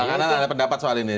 pak anang ada pendapat soal ini